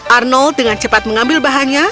arnold dengan cepat mengambil bahannya